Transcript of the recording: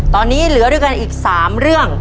ตอนนี้เหลือด้วยกันอีก๓เรื่อง